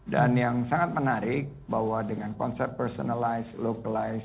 dan yang sangat menarik bahwa dengan konsep personalized localized customized dan smaller in size